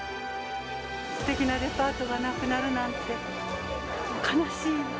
すてきなデパートがなくなるなんて悲しい。